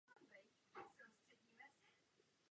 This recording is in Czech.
Obhájkyní titulu byla světová jednička Serena Williamsová.